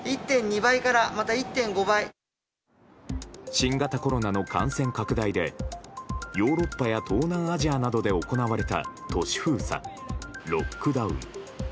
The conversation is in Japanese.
新型コロナの感染拡大でヨーロッパや東南アジアなどで行われた都市封鎖・ロックダウン。